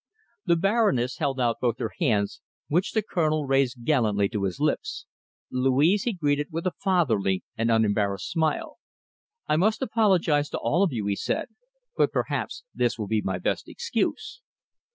The Baroness held out both her hands, which the Colonel raised gallantly to his lips. Louise he greeted with a fatherly and unembarrassed smile. "I must apologize to all of you," he said, "but perhaps this will be my best excuse."